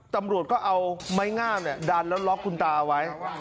ตำรวจก็เอาไม้งามดันแล้วล็อกคุณตาไว้